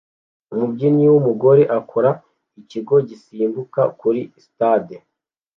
Umubyinnyi wumugore akora ikigo gisimbuka kuri stade